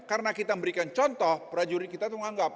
karena kita memberikan contoh prajurit kita itu menganggap